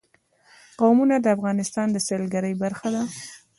قومونه د افغانستان د سیلګرۍ برخه ده.